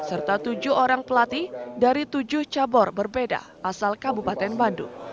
serta tujuh orang pelatih dari tujuh cabur berbeda asal kabupaten bandung